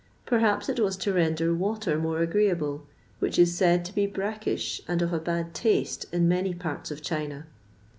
Perhaps it was to render water more agreeable, which is said to be brackish and of a bad taste in many parts of China.